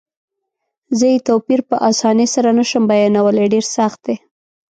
زه یې توپیر په اسانۍ سره نه شم بیانولای، ډېر سخت دی.